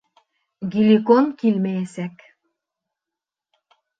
Геликон килмәйәсәк.